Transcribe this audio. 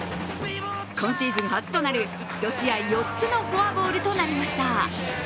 今シーズン初となる１試合４つのフォアボールとなりました。